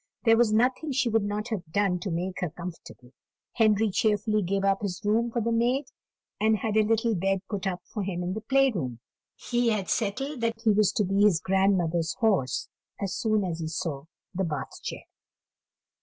There was nothing she would not have done to make her comfortable. Henry cheerfully gave up his room for the maid, and had a little bed put up for him in the play room. He had settled that he was to be his grandmother's horse as soon as he saw the Bath chair.